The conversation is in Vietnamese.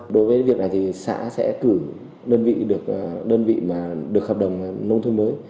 đối với việc này thì xã sẽ cử đơn vị mà được hợp đồng nông thôn mới